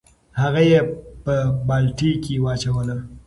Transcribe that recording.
هغه یې په بالټي کې واچوله.